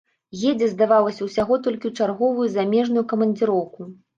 Едзе, здавалася, усяго толькі ў чарговую замежную камандзіроўку.